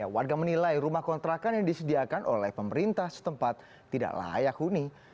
warga menilai rumah kontrakan yang disediakan oleh pemerintah setempat tidak layak huni